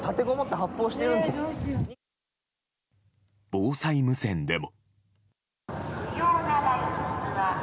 防災無線でも。